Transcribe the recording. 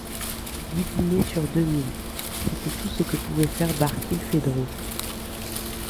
Dix guinées sur deux mille, c’était tout ce que pouvait faire Barkilphedro.